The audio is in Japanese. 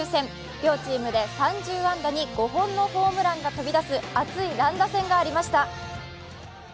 両チームで３０安打に５本のホームランが飛び出す熱い乱打戦がありました。